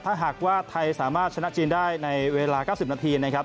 ถ้าหากว่าไทยสามารถชนะจีนได้ในเวลา๙๐นาทีนะครับ